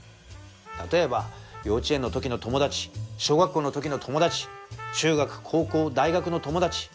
例えば幼稚園の時の友達小学校の時の友達中学高校大学の友達。